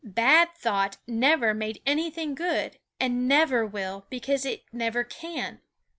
Bad thought never made anything good, and never will because it never can.